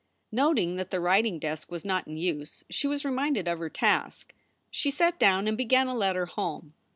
Noting that the writing desk was not in use, she was reminded of her task. She sat down and began a letter home.